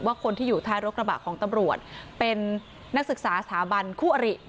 คนที่อยู่ท้ายรถกระบะของตำรวจเป็นนักศึกษาสถาบันคู่อริ